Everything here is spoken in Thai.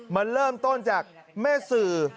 มันเริ่มต้นจากแม่สื่อ